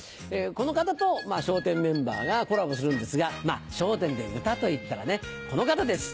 この方と笑点メンバーがコラボするんですがまぁ『笑点』で歌といったらこの方です。